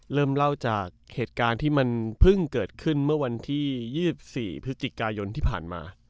เริ่มเล่าจากเหตุการณ์ที่มันเพิ่งเกิดขึ้นเมื่อวันที่๒๔พฤศจิกายนที่ผ่านมา